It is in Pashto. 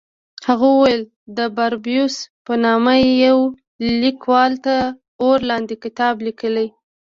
هغه وویل د باربیوس په نامه یوه لیکوال تر اور لاندې کتاب لیکلی.